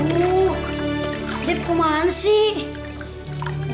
wuuuhh depp kemana sih